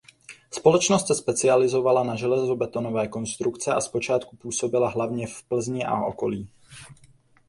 Společnost se specializovala na železobetonové konstrukce a zpočátku působila hlavně v Plzni a okolí.